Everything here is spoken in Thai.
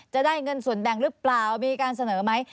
จะได้เงินส่วนแบ่งหรือเปล่ามีการเสนอไหม